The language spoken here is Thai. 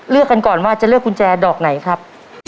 เลือกกันก่อนว่าจะเลือกกุญแจดอกไหนครับ